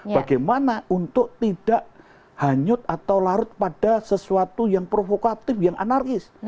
bagaimana untuk tidak hanyut atau larut pada sesuatu yang provokatif yang anarkis